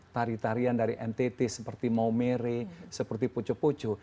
tari tarian dari ntt seperti maumere seperti poco poco